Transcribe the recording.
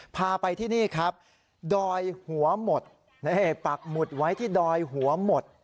พาไปที่นี่ครับดอยหัวหมดปักหมุดไว้ที่ดอยหัวหมด